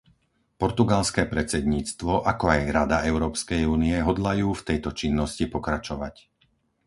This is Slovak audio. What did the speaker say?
Portugalské predsedníctvo, ako aj Rada Európskej únie, hodlajú v tejto činnosti pokračovať.